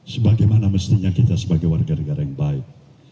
sebagaimana mestinya kita sebagai warga negara yang baik